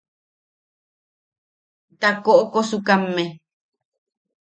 Ta koʼokosukamme.